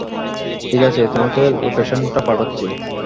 ঠিক আছে, তোমাকে লোকেশনটা পাঠাচ্ছি।